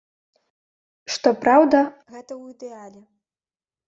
Што праўда, гэта ў ідэале.